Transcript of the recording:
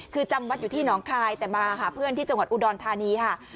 คือจำวัดอยู่ที่หนองคายแต่มาหาเพื่อนที่จังหวัดอุดรธานีค่ะ